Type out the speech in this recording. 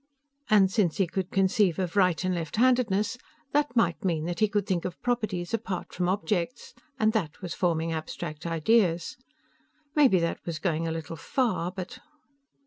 And since he could conceive of right and left handedness, that might mean that he could think of properties apart from objects, and that was forming abstract ideas. Maybe that was going a little far, but....